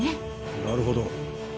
なるほど。